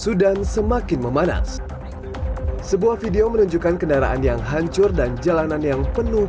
sudan semakin memanas sebuah video menunjukkan kendaraan yang hancur dan jalanan yang penuh